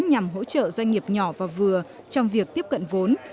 nhằm hỗ trợ doanh nghiệp nhỏ và vừa trong việc tiếp cận vốn